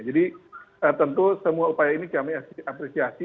jadi tentu semua upaya ini kami apresiasi